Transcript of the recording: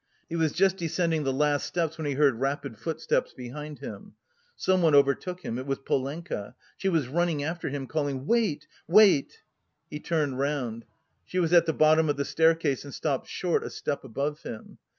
He was just descending the last steps when he heard rapid footsteps behind him. Someone overtook him; it was Polenka. She was running after him, calling "Wait! wait!" He turned round. She was at the bottom of the staircase and stopped short a step above him.